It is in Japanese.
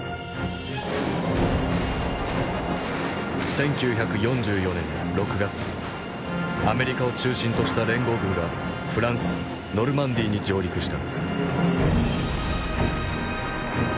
１９４４年６月アメリカを中心とした連合軍がフランス・ノルマンディーに上陸した。